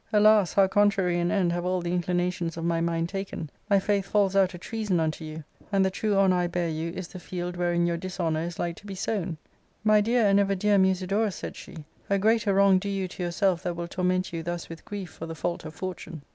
Alas 1 how contrary an end have all the inclina tions of my mind taken ; my faith falls out a treason unto you^ and the true honour I bear you is the field wherein your dis* honour is like to be sown !"My dear and ever dear Musi * dorus," said she, " a greater wrong do you tQ yourself that will torment you thus with grief for the fault of fortune.